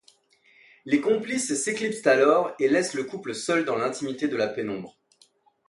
Les complices s'éclipsent alors et laissent le couple seul dans l'intimité de la pénombre.